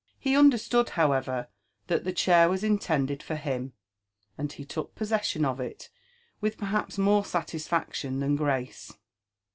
He understood, however, that the chair was intended for him, and he took possession of il with perhaps more salisfaclion than grace.